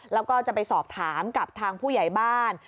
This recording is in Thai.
แล้วก็จะไปสอบถามกับทางผู้ใหญ่บ้าน